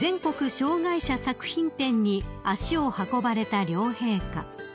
障害者作品展に足を運ばれた両陛下］